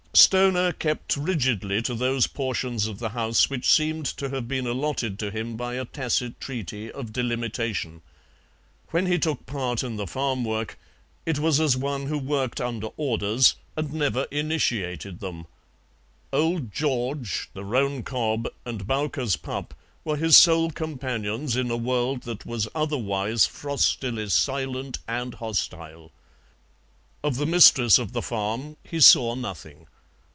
Stoner kept rigidly to those portions of the house which seemed to have been allotted to him by a tacit treaty of delimitation. When he took part in the farm work it was as one who worked under orders and never initiated them. Old George, the roan cob, and Bowker's pup were his sole companions in a world that was otherwise frostily silent and hostile. Of the mistress of the farm he saw nothing.